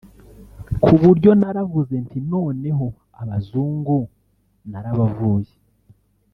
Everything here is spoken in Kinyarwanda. Ku buryo naravuze nti noneho abazungu narabavuye